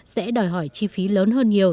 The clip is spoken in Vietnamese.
sẽ đòi hỏi chi phí lớn hơn nhiều